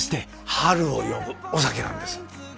春を呼ぶお酒なんです。